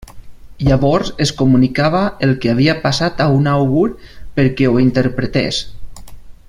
Llavors es comunicava el que havia passat a un àugur perquè ho interpretés.